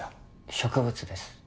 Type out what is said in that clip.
植物です